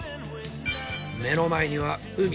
目の前には海。